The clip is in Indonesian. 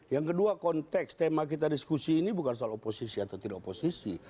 yang kedua konteks tema kita diskusi ini bukan soal oposisi atau tidak oposisi